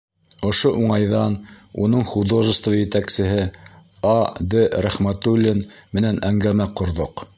Ошо уңайҙан уның художество етәксеһе А.Д. Рәхмәтуллин менән әңгәмә ҡорҙоҡ.